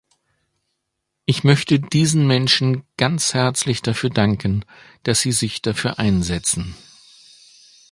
Ich möchte diesen Menschen ganz herzlich dafür danken, dass sie sich dafür einsetzen.